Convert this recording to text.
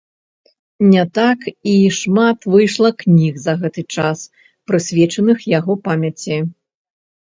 Не так і шмат выйшла кніг за гэты час, прысвечаных яго памяці.